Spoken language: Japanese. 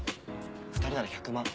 ２人なら１００万。